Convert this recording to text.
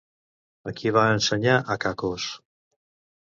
A qui va ensenyar Acacos?